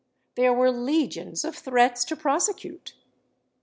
There were legions of threats to prosecute.